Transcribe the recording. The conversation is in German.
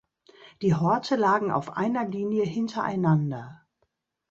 Die Horte lagen auf einer Linie hintereinander.